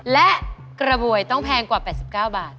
และกระบวยต้องแพงกว่า๘๙บาท